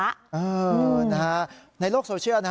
อ่านะฮะในโลกโซเชียล